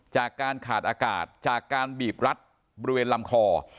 จากการขาดอากาศจากการบีบรัดบริเวณลำคอ